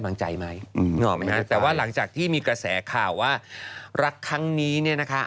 วางใจไหมนึกออกไหมฮะแต่ว่าหลังจากที่มีกระแสข่าวว่ารักครั้งนี้เนี่ยนะคะ